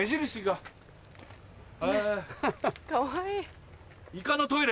かわいい。